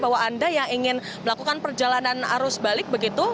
bahwa anda yang ingin melakukan perjalanan arus balik begitu